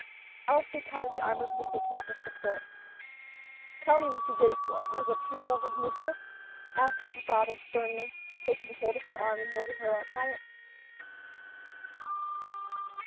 Elsie caught at the arm of the settee for support. "Tell me what you did it for; was it pure love of mischief?" asked her father, sternly, taking hold of her arm and holding her up by it.